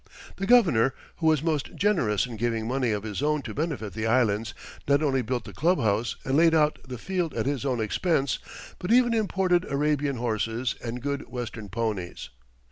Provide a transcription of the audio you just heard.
The Governor, who was most generous in giving money of his own to benefit the Islands, not only built the clubhouse and laid out the field at his own expense, but even imported Arabian horses and good Western ponies.